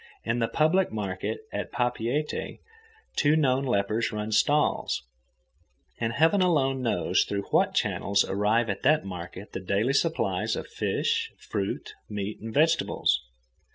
In the public market at Papeete two known lepers run stalls, and heaven alone knows through what channels arrive at that market the daily supplies of fish, fruit, meat, and vegetables.